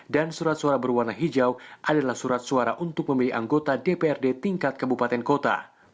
dan surat suara berwarna hijau adalah surat suara untuk memilih anggota dprd tingkat kebupaten kota